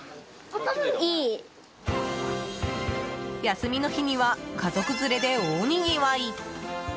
休みの日には家族連れで大にぎわい。